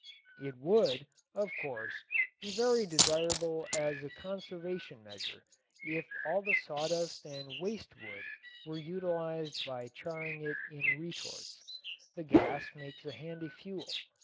It would, of course, be very desirable as a conservation measure if all the sawdust and waste wood were utilized by charring it in retorts. The gas makes a handy fuel.